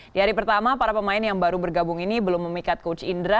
di hari pertama para pemain yang baru bergabung ini belum memikat coach indra